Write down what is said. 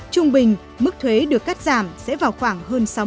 trung bình mức thuế được cắt giảm sẽ vào khoảng